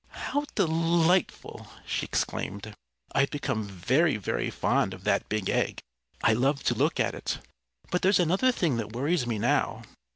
"How delightful!" she exclaimed. "I've become very, very fond of that big egg. I love to look at it. But there's another thing that worries me now.